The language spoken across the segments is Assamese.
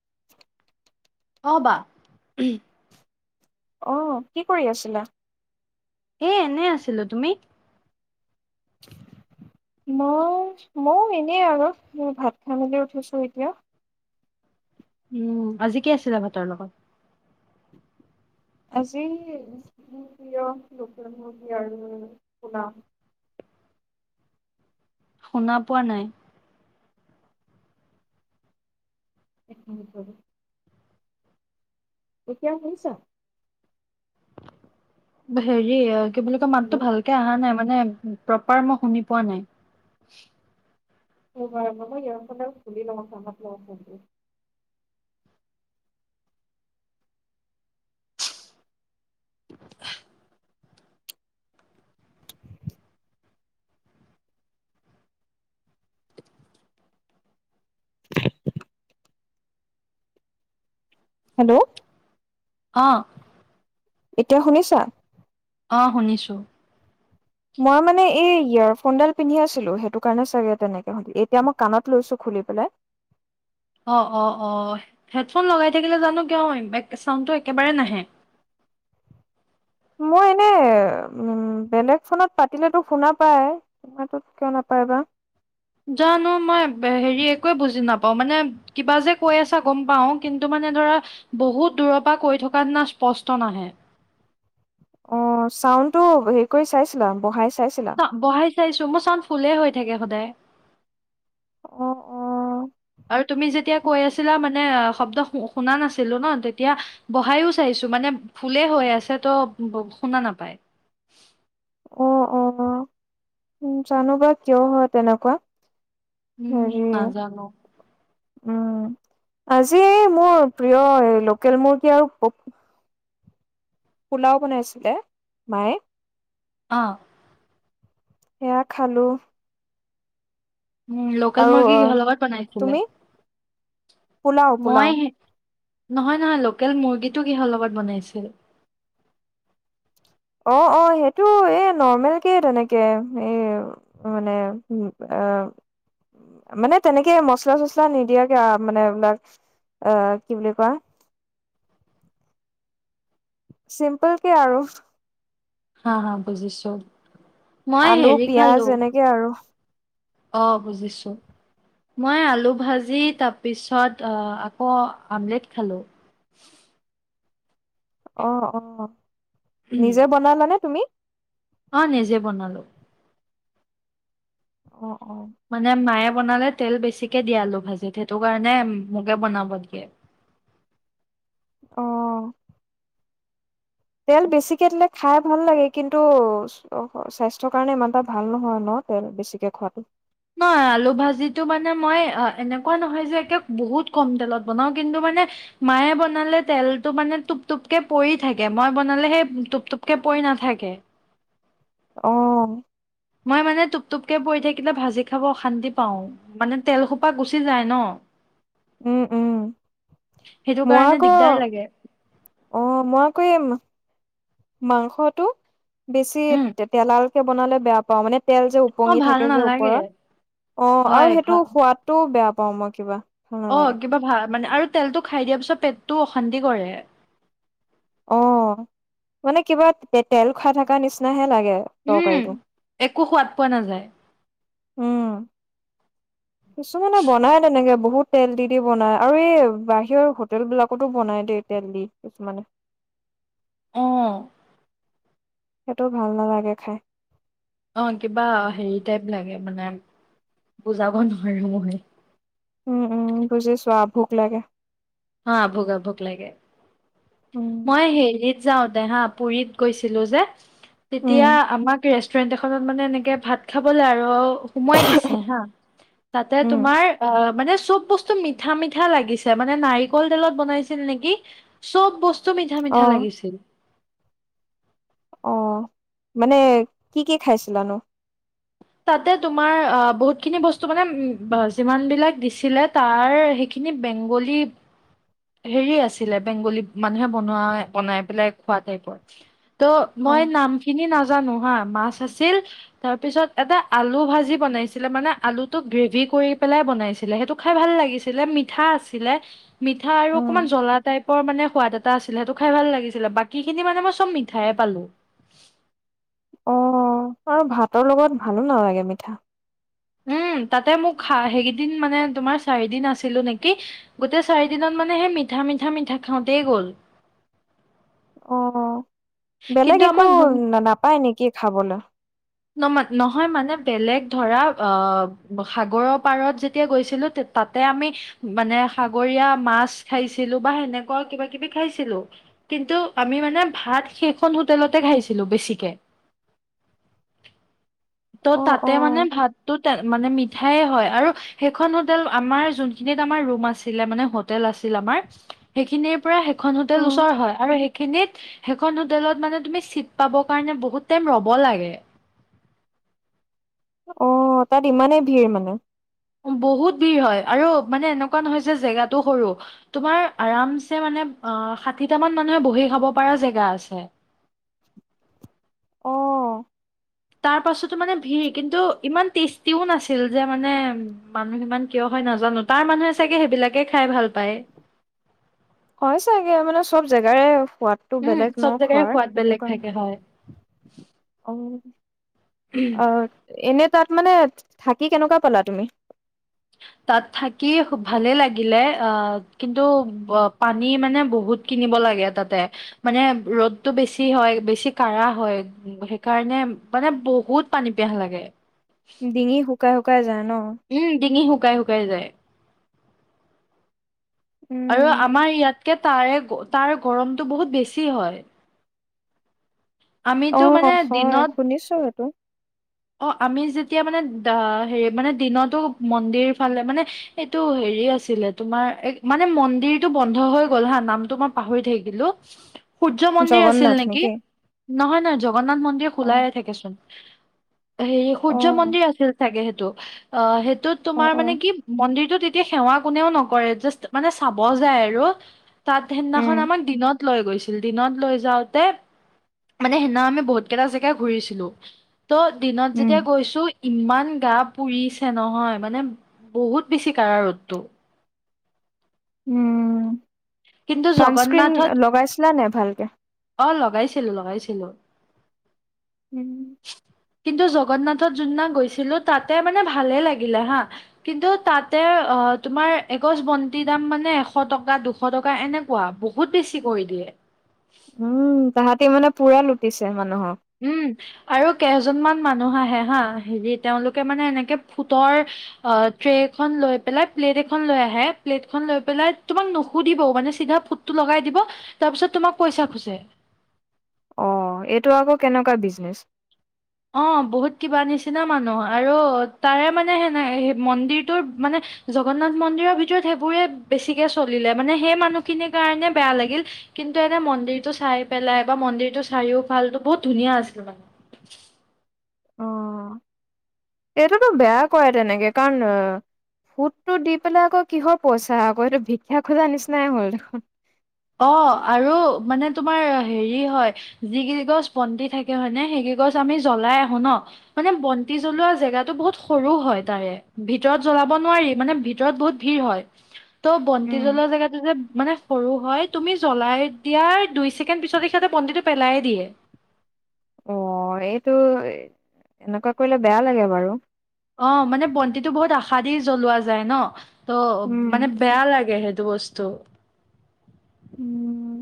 [inaudible] অহ, বা [unintelligible] অহ, কি কৰি আছিলা? হেই এনে আছিলো তুমি? মই ময়ো এনেই আৰু ভাত খাই মেলি উঠিছো এতিয়া। উম, আজি কি আছিলে ভাতৰ লগত? আজি [unintelligible] প্ৰিয় লোকেল মুৰ্গী আৰু কোনাম। শুনা পোৱা নাই। একমিনিট ৰবা। এতিয়া শুনিছ? ভেৰীয়াক। কি বুলি কয় মাততো হেল্ল', ভালকে আহা নাই। মানে প্ৰপাৰ মই শুনি পোৱা নাই। [unintelligible] [unintelligible] [inaudible] হেল্ল', অ এতিয়া শুনিছা? অহ শুনিছোঁ। মই মানে এই ইয়েৰফোনডাল পিন্ধি আছিলো সেইটো কাৰণে চাগে তেনেকে হল এতিয়া মই কাণত লৈছো খুলি পেলাই। অহ -অহ-অহ হেডফোন লগাই থাকিলে জানো কিয় বেক চাউণ্ডটো একেবাৰে নাহে। মই এনেই এ উম বেলেগ ফোনত পাতিলেতো শুনা পায় তোমাৰটোত কিয় নাপায় বা। জানো মই হেৰি একোৱে বুজি নাপাওঁ মানে কিবা যে কৈ আছা গম পাওঁ কিন্তু মানে ধৰা বহুত দূৰৰ পৰা কৈ থকা নিচনা স্পষ্ট নাহে। অহ, ছাউণ্ড টো হেৰি কৰি চাইছিলা বহাই [unintelligible] বহাই চাইছো মুচ চাউণ্ড ফুলেই হৈ থাকে সদায়। অ [inaudible] আৰু তুমি যেতিয়া কৈ আছিলা মানে মানে শব্দ শুনা নাছিলো ন তেতিয়া বহাইয়ো চাইছো মানে ভুলেই হৈ আছে ত শুনা নাপায়। অহ -অহ উম জানো বা কিয় হয় তেনেকুৱা। উম, হেৰি নাজানো। উম, আজি মই প্ৰিয় লোকেল মুৰ্গী আৰু ক পোলাও বনাইছিলে মায়ে অ সেয়া খালো উম লোকেল আৰু মুৰ্গী অ কিহ লগত বনাইছিলে তুমি পোলাও মই পোলাও হে- নহয় নহয় লোকেল মুৰ্গীটো কিহৰ লগত বনাইছিল অ অ সেইটো এ নৰ্মেলকে তেনেকে এই মানে এ মানে তেনেকে মচলা চচলা নিদিয়াকে আৱ মানে এইবিলাক আহ কি বুলি কোৱা চিম্পল কে আৰু হা হা বুজিছো মই আলু হেৰি পিয়াঁজ খালো এনেকে আৰু অ বুজিছোঁ মই আলু ভাজি তাপিছত আকৌ আমলেট খালোঁ অ অ উম, নিজে বনালা নে তুমি অ নিজে বনালো অ অ' মানে মায়ে বনালে তেল বেছিকে দিয়ে আলু ভাজিত সেইটো কাৰণে মোকে বনাব দিয়ে অ' তেল বেছিকে দিলে খাই ভাল লাগে কিন্তু স্বাস্থ্যৰ কাৰণে ইমান এটা ভাল নহয় ন তেল বেছিকে খোৱাটো নহয় আলু ভাজিটো মানে মই এনেকুৱা নহয় যে একে বহুত কম তেলত বনাও কিন্তু মানে মায়ে বনালে তেলটো মানে টোপ টোপকে পৰি থাকে মই বনালে সেই টোপ টোপকে পৰি নাথাকে। অহ মই মানে টোপ টোপকে পৰি থাকিলে ভাজি খাব অশান্তি পাওঁ মানে তেলসোপা গুচি যায় ন উম উম সেইটো মই কাৰণে আক দিগদাৰ লাগে অ মই কৰিম মাংসটো বেছি উম তেলাল বনালে বেয়া পাওঁ মানে তেল যে অ ওপঙি ভাল থাকে যে নালাগে ওপৰত অ আৰু হয় সেইটো ভাল সোৱাদটো বেয়া ক মই কিবা ভাল অ নালাগে কিবা ভাল মানে আৰু তেলটো খাই দিয়া পিছত পেটটো অশান্তি কৰে অ মানে কিবা তে তেল খাই থকা নিচিনাহে লাগে গে উম তৰকাৰীটো একো সোৱাদ পোৱা নাযায় উম কিছুমানে বনাই তেনেকে বহুত তেল দি দি বনাই আৰু এই বাহিৰৰ হোটেল বিলাকতো বনাই দেই তেল দি কিছুমানে অহ সেইটো ভাল নালাগে খাই অ কিবা হেৰি টাইপ লাগে মানে বুজাব নোৱাৰো মই উম উম বুজিছো আ ভোক লাগে হা ভোক আ ভোক লাগে উম মই হেৰি যাওঁ দে হা পুুৰীত গৈছিলো যে তেতিয়া উম আমাক ৰেষ্ট ৰেষ্টুৰেণ্ট এখনত মানে এনেকে ভাত খাবলে আৰু সোমাৱাই দিছে হা তাতে উম তোমাৰ অ মানে চব বস্তু মিঠা মিঠা লাগিছে মানে নাই নাই কলতেলত বনাইছিল নেকি চব বস্তু মিঠা অ মিঠা লাগিছিল অ মানে কি কি খাইছিলানো তাতে তোমাৰ বহুতখিনি বস্তু মানে যিমান বিলাক দিছিলে তাৰ সেইখিনি বেংগলী হেৰি আছিলে বেংগলী মানুহে বনোৱা বনাই পেলাই খোৱা টাইপৰ ত অ মই নাম খিনি না জানো হা মাছ আছিল তাৰপিছত এটা আলু ভাজি বনাইছিলে মানে আলুতো গ্ৰেভি কৰি পেলাই বনাইছিলে সেইটো খাই ভাল লাগিছিল মিঠা আছিলে মি ঠা আৰু উম অকনমান জ্বলা টাইপ বৰ মানে সোৱাদ এটা আছিলে সেইটো খাই ভাল লাগিছিলে বাকী খিনি মানে মই চব মিঠাই পালো অ আৰু ভাতৰ লগত ভালো নালাগে মিঠা উম তাতে মোক খা সেইকেইদিন মানে তোমাৰ চাৰিদিন আছিলো নেকি গোটেই চাৰিদিনত মানে সেই মিঠা মিঠা মিঠা খাওঁতেই গ'ল অহ বেলেগ কিন্তু একো আমাক যোন নাপায় নেকি খাবলৈ নহয় মানে বেলেগ ধৰা সাগৰৰ পাৰত যেতিয়া গৈছিলোঁ তাতে আমি মানে সাগৰীয়া মাছ খাইছিলোঁ বা সেনেকোৱা কিবা কিবি খাইছিলোঁ কিন্তু আমি মানে ভাত সেইখন হোটেলতে খাইছিলো বেছিকে ত' অ অ তাতে মানে ভাত তো তে মানে মিঠাইয়ে হয় আৰু সেইখন হোটেল আমাৰ যোনখিনিত আমাৰ ৰুম আছিলে মানে হোটেল আছিল আমাৰ সেইখিনিৰ পৰা সেইখন হোটেল উম ওচৰ হয় আৰু সেইখিনিত সেইখন হোটেলত মানে তুমি চিট পাব কাৰণে বহুত টাইম ৰ'ব লাগে অ তাত ইমানেই ভিৰ মানে বহুত ভিৰ হয় আৰু মানে এনেকোৱা নহয় যে জেগাটো সৰু তোমাৰ আৰামছে মানে ষাঠিটা মান মানুহে বহি খাব পৰা জেগা আছে অহ তাৰ পাছতো মানে ভিৰ কিন্তু ইমান টেষ্টিও নাছিল যে মানে মানুহ ইমান কিয় হয় নাজানো তাৰ মানুহে চাগে সেইবিলাকে খাই ভাল পায় হয় চাগে মানে চব জেগাৰে সোৱাদটো উম বেলেগ চব ন জেগাৰে খোৱাৰ সোৱাদ সেইটো বেলেগ থাকে হয় কাৰণে অ অ এনে তাত মানে থাকি কেনেকোৱা পালা তুমি তাত থাকি ভালেই লাগিলে আহ কিন্তু পানী মানে বহুত কিনিব লাগে তাতে মানে ৰ'দটো বেছি হয় বেছি কাঢ়া হয় সেইকাৰণে মানে বহুত পানী পিয়াহ লাগে ডিঙি শুকাই শু কাই যায় ন উম ডিঙি শু শুকাই শুকাই যায় আৰু উম আমাৰ ইয়াতকে তাৰে তাৰ গৰমটো বহুত বেছি হয় আমিতো মানে অ' হয় দিনত শুনিছোঁ, সেইটো। অ' আমি যেতিয়া মানে, হেৰি মানে, দিনতো মন্দিৰ ফালে, মানে এইটো হেৰি আছিলে, তোমাৰ মানে, মন্দিৰটো বন্ধ হৈ গ'ল হা, নামটো মই পাহৰি থাকিলোঁ সূৰ্য মন্দিৰ আছিল নেকি! নহয় নহয় জগন্নাথ মন্দিৰ অ খোলাইে থাকেচোন। হেৰি, অ সূৰ্য মন্দিৰ আছিল চাগে সেইটো! টো, অ' সেই ত অ তোমাৰ অ মানে, কি মন্দিৰটোত তেতিয়া সেৱা কোনেও নকৰে, জাষ্ট মানে চাব যায় আৰু। তাত উম সিদিনাখন আমাক দিনত লৈ গৈছিল, দিনত লৈ যাওঁতে, মানে সেইদিনা আমি বহুত কেইটা জেগা ঘুৰিছিলোঁ ত' দিনত উম যেতিয়া গৈছোঁ ইমান গা পুৰিছে নহয়, মানে বহুত বেছি কাঢ়া ৰ'দটো। উম! কিন্তু চানস্ক্ৰিন জগন্নাথত লগাইছিলা নাই ভালকে? লগাইছিলোঁ, লগাইছিলোঁ। [inaudible] কিন্তু জগন্নাথত যোনদিনা গৈছিলোঁ তাতে মানে ভালে লাগিলে হা। কিন্তু তাতে অ'হ তোমাৰ এগছ বন্তিৰ দাম মানে এশ টকা, দুশ টকা এনেকুৱা, বহুত বেছি কৰি দিয়ে। উম তাহাঁতি মানে পুৰা লুটিছে, মানে। উম আৰু কেজ জনমান মানুহ আহে হা, হেৰি তেওঁলোকে মানে, এনেকে, ফুটৰ অ'হ ট্ৰেখন লৈ পেলাই, প্লেট এখন লৈ আহে, প্লেটখন লৈ পেলাই তোমাক নুসুধিবও, মানে চিধা ফুটটো লগাই দিব, তাৰপিছত তোমাক পইচা খোজে। অ' এইটো আকৌ কেনেকুৱা বিজনেচ? অ বহুত কিবা নিচিনা মানুহ, আৰু তাৰে মানে সেনে, মন্দিৰটোৰ মানে, জগন্নাথ মন্দিৰৰ ভিতৰত সেইবোৰে বেছিকে চলিলে, মানে সেই মানুহখিনিৰ কাৰণে বেয়া লাগিল, কিন্তু এনে মন্দিৰটো চাই পেলাই বা মন্দিৰটো চাইও ভাল, বহুত ধুনীয়া আছিল মানে। অ এইটোতো বেয়া কৰে তেনেকে, কাৰণ ফুটটো দি পেলাই আকৌ, কিহৰ পইচা আকৌ, এইটো ভিক্ষা খোজা নিচিনাই হ'ল দেখোন! অ' আৰু মানে তোমাৰ হেৰি হয়, যিকেইগছ বন্তি থাকে হয় নে, সেইকেই গছ আমি জ্বলাই আহো ন, মানে বন্তি জ্বলোৱা জেগাটো বহুত সৰু হয় তাৰে, ভিতৰত জ্বলাব নোৱাৰি, মানে ভিতৰত বহুত ভিৰ হয়। ত' বন্তি জ্বলোৱাৰ জেগাটোযে, মানে সৰু হয়! তুমি জ্বলাই দিয়াৰ দুই ছেকেণ্ড পিছতে সিহঁতে বন্তিটো পেলাই দিয়ে। অ এইটো এনেকুৱা কৰিলে বেয়া লাগে বাৰু। অ' মানে বন্তিটো বহুত আশা দি জ্বলোৱা যায় ন। ত' মানে উম। বেয়া লাগে সেইটো। বস্ত। উম!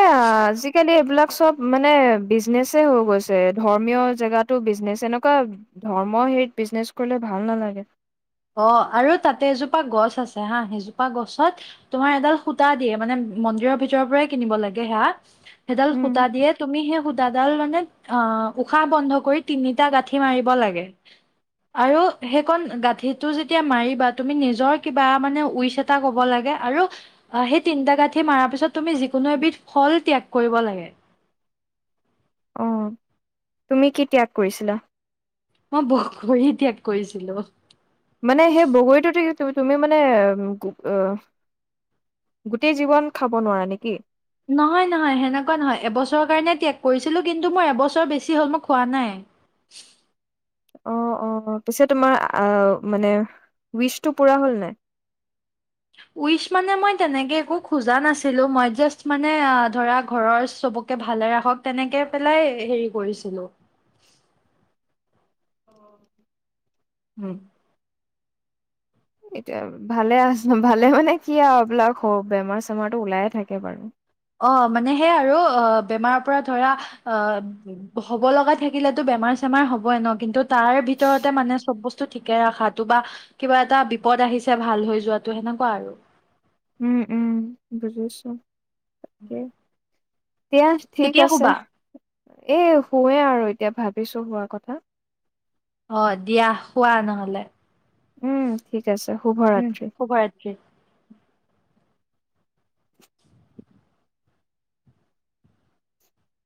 এয়া আজিকালি এইবিলাক চব মানে বিজনেছে হৈ গৈছে। ধৰ্মীয় জেগাতো বিজনেচ। এনেকুৱা ধৰ্ম হেৰিত বিজনেচ কৰিলে ভাল নালাগে। অ' আৰু তাতে এজোপা গছ আছে হা। সেইজোপা গছত তোমাৰ এডাল সূতা দিয়ে, মানে মন্দিৰৰ ভিতৰৰ পৰাই কিনিব লাগে হেয়া সেইডাল উম। সূতা দিয়ে, তুমি সেই সূতাডাল মানে অ' উশাহ বন্ধ কৰি তিনিটা গাঁঠি মাৰিব লাগে। আৰু সেইকণ গাঁঠিত টো যেতিয়া মাৰিবা, তুমি নিজৰ কিবা মানে উইচ এটা ক'ব লাগে, আৰু সেই তিনটা গাঁঠি মাৰাৰ পিছত তুমি যিকোনো এবিধ ফল ত্যাগ কৰিব লাগে। অ তুমি কি ত্যাগ কৰিছিলা মই বগৰী ত্যাগ কৰিছিলো মানে সেই বগৰীটোত কি তু তুমি মানে অহ গোটেই জীৱন খাব নোৱাৰা নেকি নহয় নহয় সেনেকুৱা নহয় এবছৰৰ কাৰণে ত্যাগ কৰিছিলোঁ কিন্তু মোৰ এবছৰ বেছি হ'ল মই খোৱা নাই অ অ পিছে তোমাৰ আ মানে উইচটো পুৰা হ'ল নাই উইচ মানে মই তেনেকে একো খোজা নাছিলো মই জাচত মানে ধৰা ঘৰৰ চবকে ভালে ৰাখক তেনেকে পেলাই হেৰি কৰিছিলো উম এতিয়া ভালে আছে ভালে মানে কি আৱ এইবিলাক স বেমাৰ চেমাৰ টো ওলাই থাকে বাৰু অ মানে সে আৰু অ বেমাৰৰ পৰা ধৰা আহ হ'ব লগা থাকিলেতো বেমাৰ চেমাৰ হ'বই ন কিন্তু তাৰ ভিতৰতে মানে চব বস্তু ঠিকে ৰখাটো বা কিবা এটা বিপদ আহিছে ভাল হৈ যোৱাটো সেনেকুৱা আৰু উম উম বুজিছো তাকে এতিয়া ঠিক কেতিয়া আছে শুবা এ শুৱে আৰু এতিয়া ভাব ভাবিছোঁ শুৱা কথা অ দিয়া শুৱা নহ'লে উম, ঠিক আছে উম শুভৰাত্ৰি। শুভৰাত্ৰি